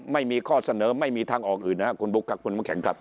ไม่มีข้อเสนอไม่มีทางออกอื่นนะครับคุณบุ๊คครับคุณน้ำแข็งครับ